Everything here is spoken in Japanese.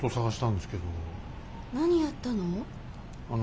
何やったの？